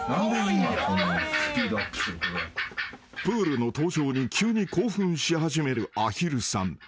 ［プールの登場に急に興奮し始めるアヒルさん］